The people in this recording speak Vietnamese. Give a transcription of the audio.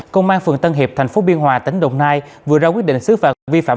công an phường tân hiệp thành phố biên hòa tỉnh đồng nai vừa ra quyết định xứ phạm